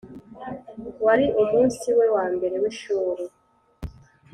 wari umunsi we wa mbere w'ishuri.